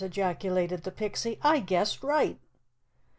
ejaculated the Pixie. "I guessed right."